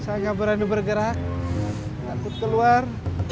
saya nggak berani bergerak takut keluar